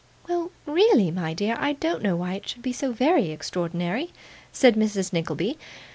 'Really, my dear, I don't know why it should be so very extraordinary,' said Mrs. Nickleby.